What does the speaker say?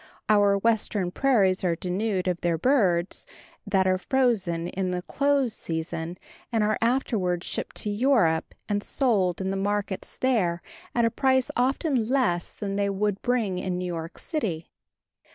Our Western prairies are denuded of their birds, that are frozen in the close season and are afterward shipped to Europe, and sold in the markets there at a price often less than they would bring in New York city.